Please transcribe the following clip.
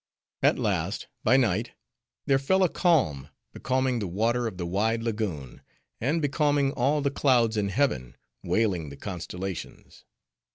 At last, by night, there fell a calm, becalming the water of the wide lagoon, and becalming all the clouds in heaven, wailing the constellations.